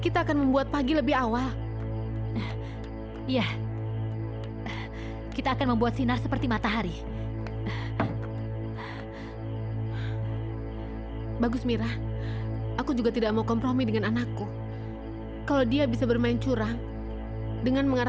sampai jumpa di video selanjutnya